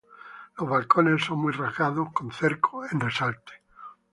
Los balcones son muy rasgados con cerco en resalte.